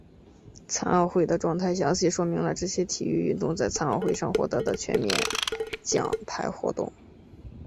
残奥会的状态详细说明了这些体育运动在残奥会上获得的全面奖牌活动。